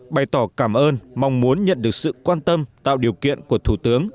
bày tỏ cảm ơn mong muốn nhận được sự quan tâm tạo điều kiện của thủ tướng